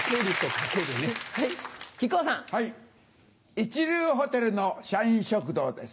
一流ホテルの社員食堂です。